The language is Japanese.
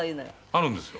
あるんですよ。